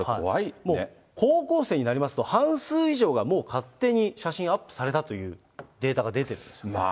もう高校生になりますと、半数以上がもう勝手に写真アップされたというデータが出てるんでまあ、